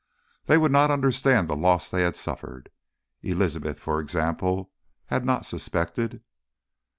They would not understand the loss they had suffered. Elizabeth, for example, had not suspected....